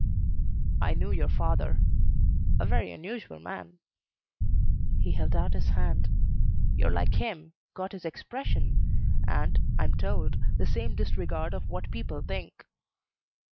"I knew your father. A very unusual man." He held out his hand. "You're like him, got his expression, and, I'm told, the same disregard of what people think.